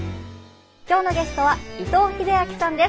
今日のゲストは伊藤英明さんです。